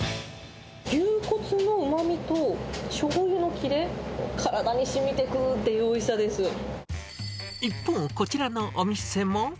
牛骨のうまみとしょうゆのきれ、体にしみてくっていうおいし一方、こちらのお店も。